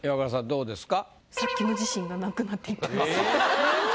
どうですか？